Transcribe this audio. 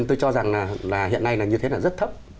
tôi cho rằng hiện nay như thế là rất thấp